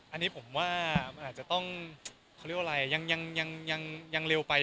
อันนี้ผมว่าอายาที่นี่รายการจะติดต่อยังเร็วไป